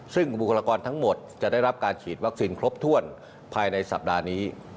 ซึ่งบุคลากรทั้งหมดจะได้รับการฉีดวัคซีนครบถ้วนภายในสัปดาห์นี้